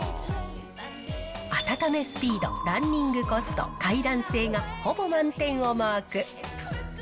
温めスピード、ランニングコスト、快暖性がほぼ満点をマーク。